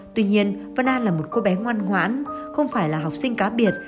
tuy nhiên vân nam là một cô bé ngoan ngoãn không phải là học sinh cá biệt